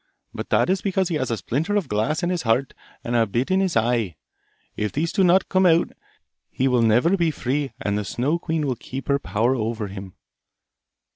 But that is because he has a splinter of glass in his heart and a bit in his eye. If these do not come out, he will never be free, and the Snow queen will keep her power over him.